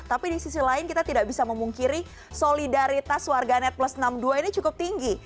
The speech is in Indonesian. tapi di sisi lain kita tidak bisa memungkiri solidaritas warganet plus enam puluh dua ini cukup tinggi